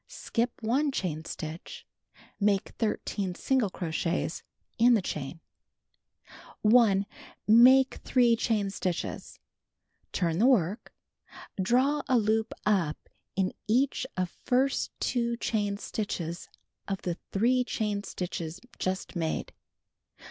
Skip 1 chain stitch. Make 13 single crochets in the chain. 1. Make 3 chain stitches. Turn the work. Draw a loop up in each of first two chain stitches of the three chain stitches just made.